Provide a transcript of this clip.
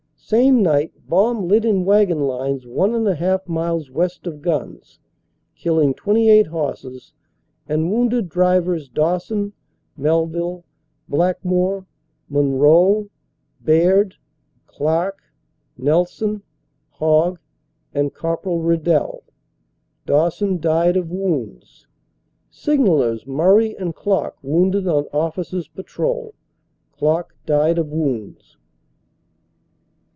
Same night bomb lit in wagon lines one and a half miles west of guns, killing 28 horses and wounded Drivers Dawson, Mel ville, Blackmore, Monroe, Baird, Clarke, Nelson, Hogg and Cpl. Riddel ; Dawson died of wounds. Signallers Murray and Klock wounded on Officer s Patrol ; Klock died of wounds.